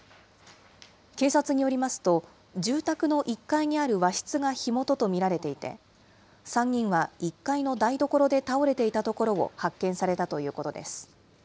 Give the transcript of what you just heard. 警察によりますと、住宅の１階にある和室が火元と見られていて、３人は１階の台所で倒れていたところを発見されたということです。